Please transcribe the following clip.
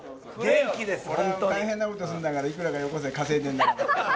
俺、大変なことすんだから、いくらかよこせ、稼いでんだから。